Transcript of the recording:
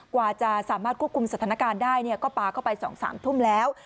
กว่าจะสามารถควบคุมสถานการณ์ได้เนี่ยก็ปาเข้าไปสองสามทุ่มแล้ว